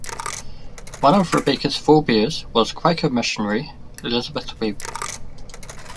One of Rebecca's forebears was Quaker missionary, Elizabeth Webb.